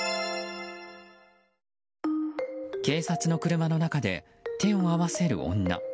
警察の車の中で手を合わせる女。